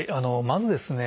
まずですね